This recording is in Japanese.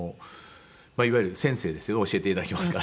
いわゆる先生ですよね教えて頂きますから。